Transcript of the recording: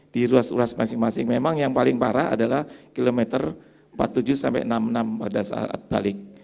di ruas ruas masing masing memang yang paling parah adalah kilometer empat puluh tujuh sampai enam puluh enam pada saat balik